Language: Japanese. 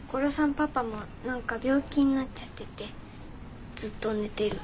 パパもなんか病気になっちゃっててずっと寝てる。